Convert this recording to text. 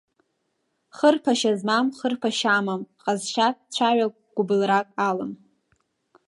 Хырԥашьа змам, хырԥашьа амам, ҟазшьак, цәаҩак, гәблрак алам.